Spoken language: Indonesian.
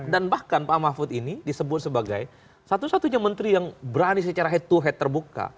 dan bahkan pak mafud ini disebut sebagai satu satunya menteri yang berani secara head to head terbuka